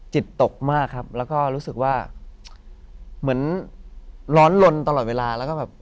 จิตตกมากครับแล้วก็รู้สึกว่าเหมือนร้อนลนตลอดเวลาแล้วก็แบบ